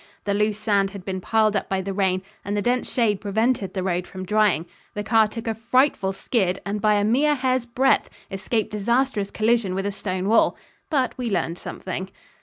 The loose sand had been piled up by the rain and the dense shade prevented the road from drying. The car took a frightful skid and by a mere hair's breadth escaped disastrous collision with a stone wall but we learned something.